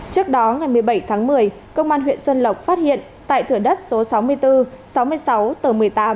trước đó ngày một mươi bảy tháng một mươi công an huyện xuân lộc phát hiện tại thửa đất số sáu mươi bốn sáu mươi sáu tờ một mươi tám